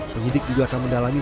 penyidik juga akan mendalami